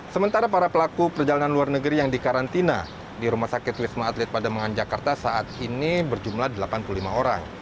sementara para pelaku perjalanan luar negeri yang dikarantina di rumah sakit wisma atlet pada mangan jakarta saat ini berjumlah delapan puluh lima orang